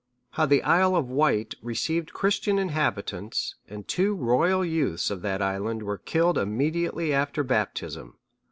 How the Isle of Wight received Christian inhabitants, and two royal youths of that island were killed immediately after Baptism.